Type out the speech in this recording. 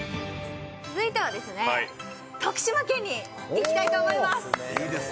続いては徳島県に行きたいと思います。